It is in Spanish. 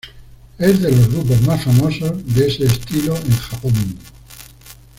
Es de los grupos más famosos de ese estilo en Japón.